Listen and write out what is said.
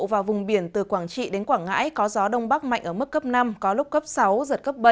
và vùng biển từ quảng trị đến quảng ngãi có gió đông bắc mạnh ở mức cấp năm có lúc cấp sáu giật cấp bảy